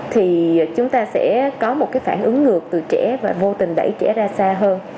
thì chúng ta sẽ có một cái phản ứng ngược từ trẻ và vô tình đẩy trẻ ra xa hơn